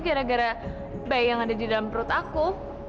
karena bayi yang ada dalam perut aku